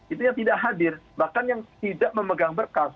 itu yang tidak hadir bahkan yang tidak memegang berkas